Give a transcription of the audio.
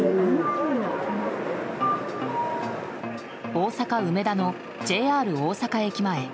大阪・梅田のＪＲ大阪駅前。